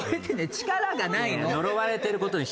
力がない！